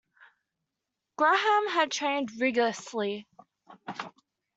Graham had trained rigourously.